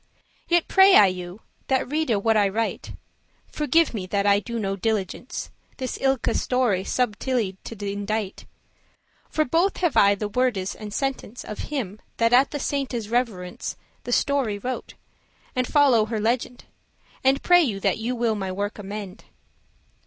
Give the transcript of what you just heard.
Yet pray I you, that reade what I write, <6> Forgive me that I do no diligence This ilke* story subtilly t' indite. *same For both have I the wordes and sentence Of him that at the sainte's reverence The story wrote, and follow her legend; And pray you that you will my work amend.